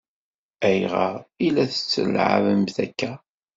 Ayɣer i la tt-ttelɛabent akka?